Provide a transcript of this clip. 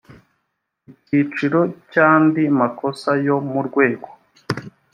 icyiciro cya andi makosa yo mu rwego